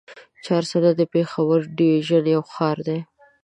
چارسده د پېښور ډويژن يو ښار دی.